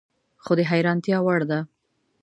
خو د حیرانتیا وړ ده